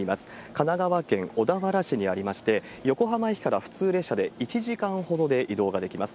神奈川県小田原市にありまして、横浜駅から普通列車で１時間ほどで移動ができます。